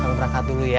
kamu berangkat dulu ya